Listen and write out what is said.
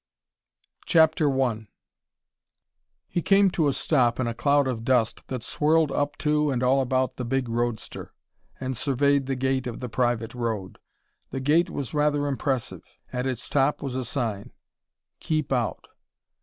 CHAPTER I He came to a stop in a cloud of dust that swirled up to and all about the big roadster, and surveyed the gate of the private road. The gate was rather impressive. At its top was a sign. "Keep Out!"